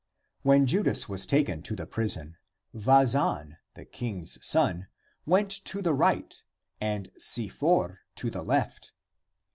When Judas was taken to the prison, ACTS OF THOMAS 341 Vazan, the King's son, went to the right and Si for to the left.